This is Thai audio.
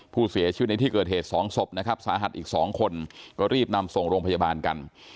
ผู้เสียชีวิตในที่เกิดเหตุสองศพนะครับสาหัสอีก๒คนก็รีบนำส่งโรงพยาบาลกัน